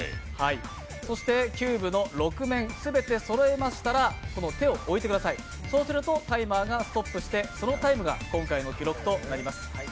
そして、キューブ６面全てそろえましたら、この手を置いてください、そうするとタイマーがストップしてそのタイムが今回の記録となります。